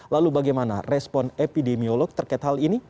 lalu bagaimana respon epidemiolog terkait hal ini